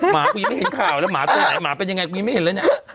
หากูยังไม่เห็นข่าวแล้วหมาตัวไหนหมาเป็นยังไงกูยังไม่เห็นเลยเนี่ย